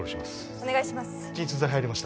お願いします